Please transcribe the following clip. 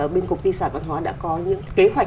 bên cục di sản văn hóa đã có những kế hoạch